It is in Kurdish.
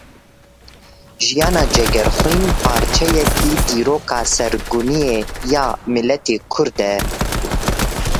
Jiyana Cegerxwîn parçeyekî dîroka sirgûniyê ya miletê Kurd e.